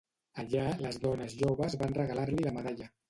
Allà les dones joves van regalar-li la medalla.